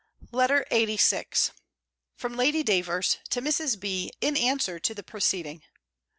LETTER LXXXVI _From Lady Davers to Mrs. B. in answer to the preceding.